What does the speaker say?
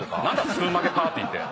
スプーン曲げパーティーって。